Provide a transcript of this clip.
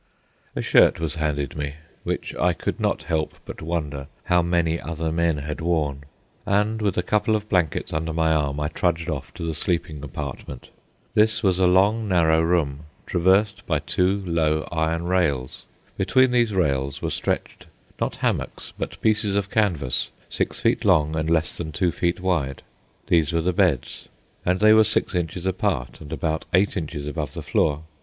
A shirt was handed me—which I could not help but wonder how many other men had worn; and with a couple of blankets under my arm I trudged off to the sleeping apartment. This was a long, narrow room, traversed by two low iron rails. Between these rails were stretched, not hammocks, but pieces of canvas, six feet long and less than two feet wide. These were the beds, and they were six inches apart and about eight inches above the floor.